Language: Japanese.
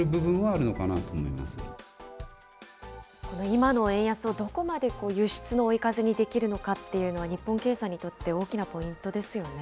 今の円安をどこまで輸出の追い風にできるのかっていうのは、日本経済にとって大きなポイントですよね。